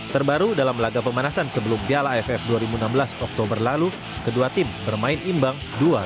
terbaru dalam laga pemanasan sebelum piala aff dua ribu enam belas oktober lalu kedua tim bermain imbang dua satu